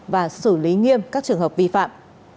và xử lý nghiêm các trường hợp vi phạm